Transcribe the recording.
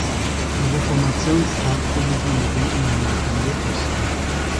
Der Reformationstag findet in Gedenken an Martin Luther statt.